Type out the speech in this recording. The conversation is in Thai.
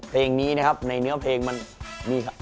เพลงนี้นะครับในเนื้อเพลงมันมีครับ